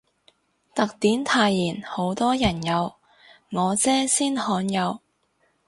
特典泰妍好多人有，我姐先罕有